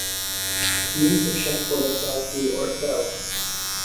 Tím si však podepsal svůj ortel.